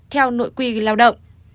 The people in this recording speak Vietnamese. trong nội quy lao động